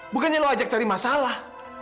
bukannya lo ajak cari masalah